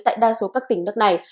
tại đa số các tỉnh nước này